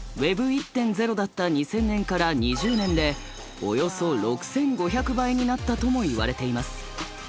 Ｗｅｂ１．０だった２０００年から２０年でおよそ６，５００倍になったともいわれています。